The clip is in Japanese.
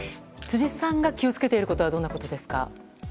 辻さんが気を付けていることはどんなことですか？